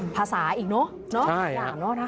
ภาษาอีกเนอะ